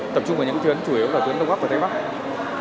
tập trung vào những tuyến chủ yếu là tuyến đông bắc và tây bắc